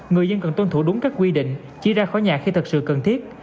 người dân cần tôn thủ đúng các quy định chỉ ra khỏi nhà khi thực sự cần thiết